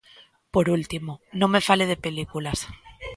Por último, non me fale de películas.